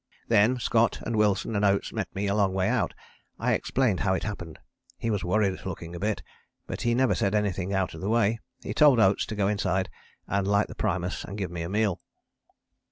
Then Scott and Wilson and Oates met me a long way out: I explained how it happened. He was worried looking a bit, but he never said anything out of the way. He told Oates to go inside and light the primus and give me a meal."